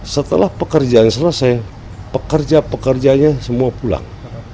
setelah pekerjaan selesai pekerja pekerjanya semua pulang